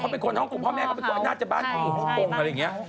เขาเป็นคนห้องกงพ่อแม่น่าจะบ้านห้องกง